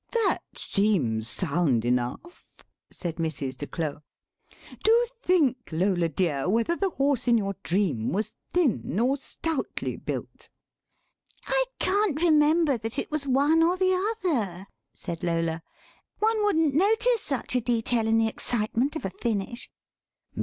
"That seems sound enough," said Mrs. de Claux; "do think, Lola dear, whether the horse in your dream was thin or stoutly built." "I can't remember that it was one or the other," said Lola; "one wouldn't notice such a detail in the excitement of a finish."